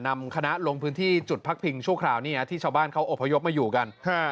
นำคณะลงพื้นที่จุดพักพิงชั่วคราวนี้ที่ชาวบ้านเขาอบพยพมาอยู่กัน